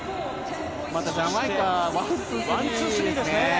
ジャマイカはワンツースリーですね。